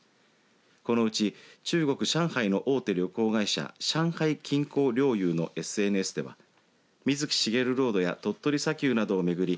このうち中国、上海の大手旅行会社上海錦江旅游のＳＮＳでは水木しげるロードや鳥取砂丘などを巡り